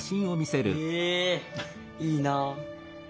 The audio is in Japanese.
へえいいなあ。